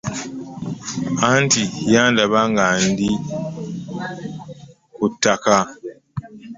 Anti yandaba nga ndi ku ttaka.